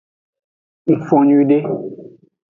Ngfon nyuiede.